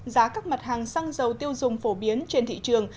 giá các mặt hàng xăng dầu tiêu dùng phổ biến trên thị trường